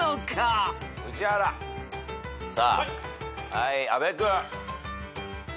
はい阿部君。